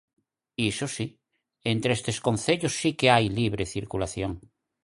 Iso si, entre estes concellos si que hai libre circulación.